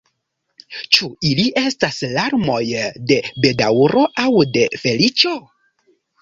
Ĉu ili estas larmoj de bedaŭro, aŭ de feliĉo?